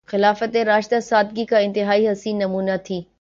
خلافت راشدہ سادگی کا انتہائی حسین نمونہ تھی۔